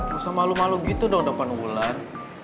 gak usah malu malu gitu dong nampan wulan